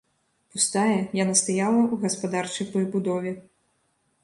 Пустая, яна стаяла ў гаспадарчай прыбудове.